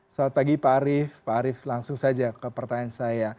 selamat pagi pak arief pak arief langsung saja ke pertanyaan saya